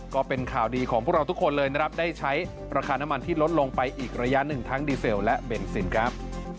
ก็เป็นข่าวดีของพวกเราทุกคนเลยนะครับได้ใช้ราคาน้ำมันที่ลดลงไปอีกระยะหนึ่งทั้งดีเซลและเบนซินครับ